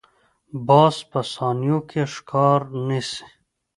باز په ثانیو کې ښکار نیسي